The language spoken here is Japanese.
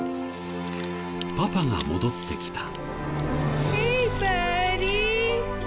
パパが戻ってきた。